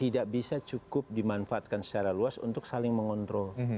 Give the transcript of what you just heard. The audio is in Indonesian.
tidak bisa cukup dimanfaatkan secara luas untuk saling mengontrol